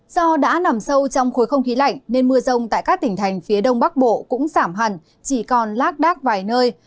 do đã nằm sâu trong khối không khí lạnh nên mưa rông tại các tỉnh thành phía đông bắc bộ cũng giảm hẳn chỉ còn lác đác vài nơi